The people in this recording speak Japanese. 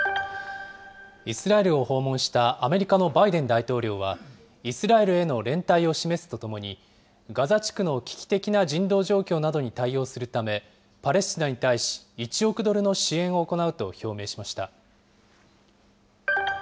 イスラエルを訪問したアメリカのバイデン大統領は、イスラエルへの連帯を示すとともに、ガザ地区の危機的な人道状況などに対応するため、パレスチナに対し１億ドルの支援を行うと表明しました。